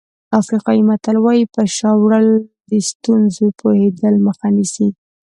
افریقایي متل وایي په شا وړل د ستونزو پوهېدلو مخه نیسي.